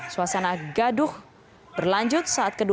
suasana gaduh berlanjut saat kedua